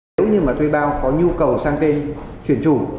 nếu như mà thuê bao có nhu cầu sang tên chuyển chủ